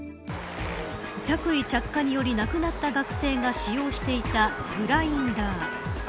着衣着火により亡くなった学生が使用していたグラインダー。